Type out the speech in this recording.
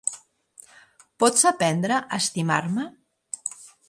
Pots aprendre a estimar-me?